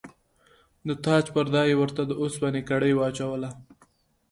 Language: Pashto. د تاج پر ځای یې ورته د اوسپنې کړۍ واچوله.